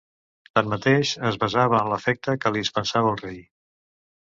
Tanmateix, es basava en l'afecte que li dispensava el rei.